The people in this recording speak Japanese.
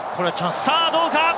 さぁどうか？